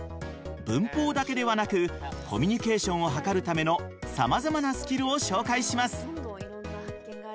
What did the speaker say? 文法だけではなくコミュニケーションをはかるためのさまざまなスキルを紹介します。